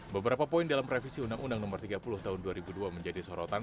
beberapa poin dalam revisi undang undang no tiga puluh tahun dua ribu dua menjadi sorotan